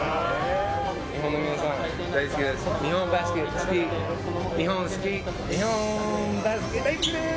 日本の皆さん、大好きです。